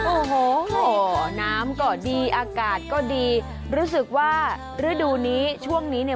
โอ้โหน้ำก็ดีอากาศก็ดีรู้สึกว่าฤดูนี้ช่วงนี้เนี่ย